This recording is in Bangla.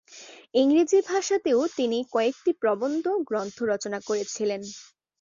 ইংরেজি ভাষাতেও তিনি কয়েকটি প্রবন্ধ গ্রন্থ রচনা করেছিলেন।